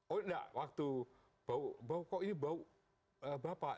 oh enggak waktu bau kok ini bau bapak